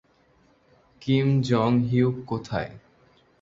Kim Jong hyuk কোথায়?